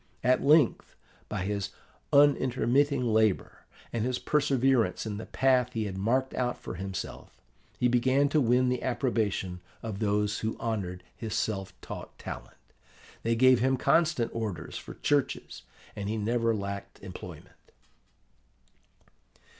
At length, by his unintermitting labour and perseverance in the path he had marked out for himself, he began to win the approbation of those who honoured his self taught talent. They gave him constant orders for churches, and he never lacked employment.